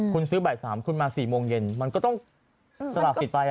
คุณซื้อบ่าย๓คุณมา๔โมงเย็นมันก็ต้องสละสิทธิ์ไป